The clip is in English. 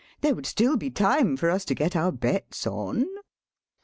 There would still be time for us to get our bets on."